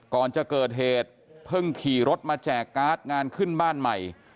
ก่อนจะเกิดเหตุเพิ่งขี่รถมาแจกการ์ดงานขึ้นบ้านใหม่